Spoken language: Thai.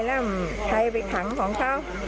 แล้วให้ไปทางของเขา